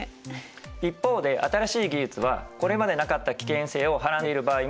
一方で新しい技術はこれまでなかった危険性をはらんでいる場合もあります。